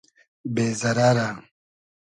بې زئرئرۂ